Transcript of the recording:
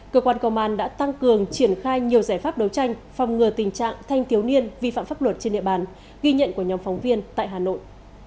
cơ quan công an đã tăng cường triển khai nhiều giải pháp đấu tranh phòng ngừa tình trạng thanh thiếu niên vi phạm pháp luật trên địa bàn ghi nhận của nhóm phóng viên tại hà nội